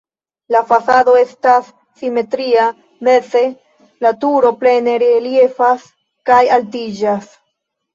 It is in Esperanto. La fasado estas simetria, meze la turo plene reliefas kaj altiĝas.